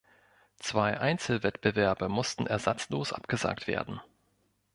Zwei Einzelwettbewerbe mussten ersatzlos abgesagt werden.